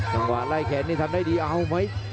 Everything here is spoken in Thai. จังหวะไล่แขนนี่ทำได้ดีเอาไหม